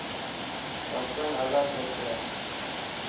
پاڪستان آزاد ملڪ هي.